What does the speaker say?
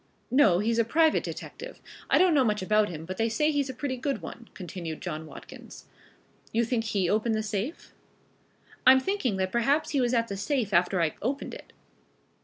"No, he's a private detective. I don't know much about him, but they say he's a pretty good one," continued John Watkins. "You think he opened the safe?" "I'm thinking that perhaps he was at the safe after I opened it.